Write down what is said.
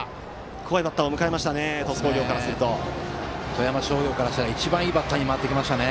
怖いバッターを鳥栖工業としては富山商業としたら一番いいバッターに回ってきましたね。